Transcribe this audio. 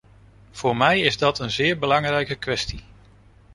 Voor mij is dat een zeer belangrijke kwestie.